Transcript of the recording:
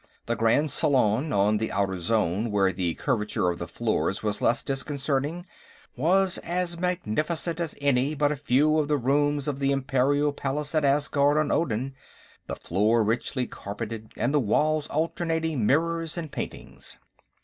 The grand salon, on the outer zone where the curvature of the floors was less disconcerting, was as magnificent as any but a few of the rooms of the Imperial Palace at Asgard on Odin, the floor richly carpeted and the walls alternating mirrors and paintings.